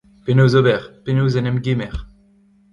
Penaos ober, penaos en em gemer ?